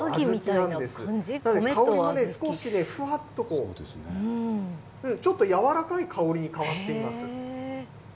香りもね、少しふわっと、ちょっと柔らかい香りに変わっています。